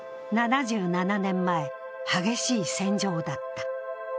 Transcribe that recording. ７７年前激しい戦場だった。